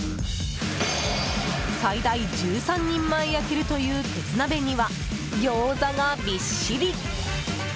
最大１３人前焼けるという鉄鍋には、ギョーザがビッシリ。